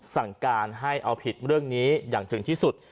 สั่งการให้เอาผิดเรื่องนี้อย่างถึงที่สุด